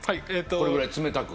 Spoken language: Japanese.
これぐらい冷たく？